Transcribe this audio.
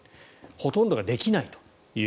ほとんとができないと。